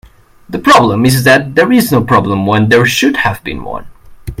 The problem is that there is no problem when there should have been one.